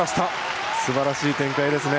すばらしい展開ですね。